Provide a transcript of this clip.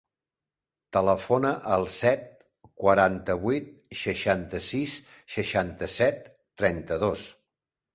Telefona al set, quaranta-vuit, seixanta-sis, seixanta-set, trenta-dos.